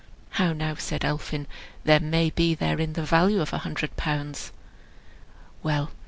"How now," said Elphin, "there may be therein the value of a hundred pounds." Well!